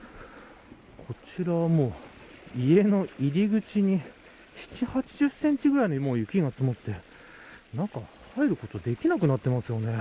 こちらはもう、家の入り口に７０８０センチぐらいの雪が積もって中に入ることができなくなってますよね。